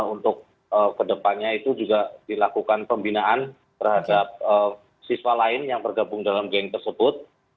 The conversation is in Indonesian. untuk kedepannya itu juga dilakukan pembinaan terhadap siswa lain yang bergabung dalam geng tersebut